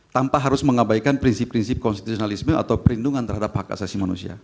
tanpa harus mengabaikan prinsip prinsip konstitusionalisme atau perlindungan terhadap hak asasi manusia